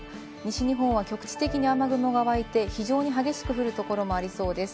西日本は局地的に雨雲が湧いて非常に激しく降るところもありそうです。